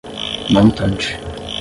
montante